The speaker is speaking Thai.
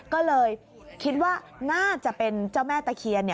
ก็เลยคิดว่าน่าจะเป็นเจ้าแม่ตะเคียน